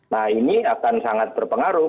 nah ini akan sangat berpengaruh